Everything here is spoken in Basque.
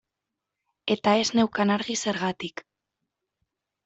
Eta ez neukan argi zergatik.